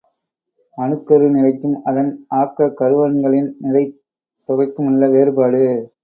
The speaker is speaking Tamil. அணுக்கரு நிறைக்கும் அதன் ஆக்கக் கருவன்களின் நிறைத் தொகைக்குமுள்ள வேறுபாடு.